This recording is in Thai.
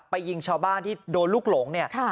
ยิงชาวบ้านที่โดนลูกหลงเนี่ย